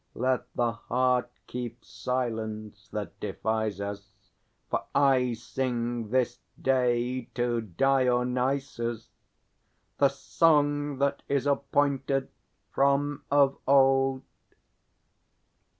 Let the heart keep silence that defies us; For I sing this day to Dionysus The song that is appointed from of old.